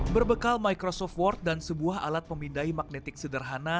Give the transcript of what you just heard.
berbekal microsoft word dan sebuah alat pemindai magnetic sederhana